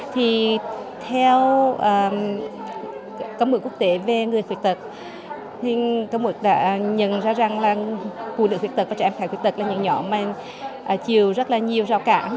thì theo công ước quốc tế về người khuyết tật công ước đã nhận ra rằng phụ nữ khuyết tật và trẻ em khuyết tật là những nhóm mà chịu rất nhiều rào cản